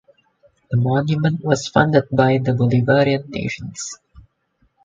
The monument was funded by the Bolivarian nations.